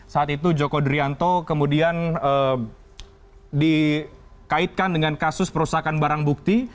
saat itu joko drianto kemudian dikaitkan dengan kasus perusahaan barang bukti